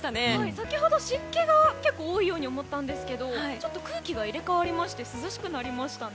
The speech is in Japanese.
先ほど、湿気が多いように思ったんですがちょっと空気が入れ替わって涼しくなりましたね。